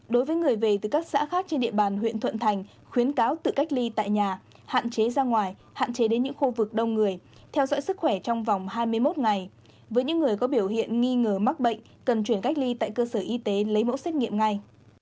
đối với người về từ các xã khác trên địa bàn huyện thuận thành khuyến cáo tự cách ly tại nhà hạn chế ra ngoài hạn chế đến những khu vực đông người theo dõi sức khỏe trong vòng hai mươi một ngày với những người có biểu hiện nghi ngờ mắc bệnh cần chuyển cách ly tại cơ sở y tế lấy mẫu xét nghiệm ngay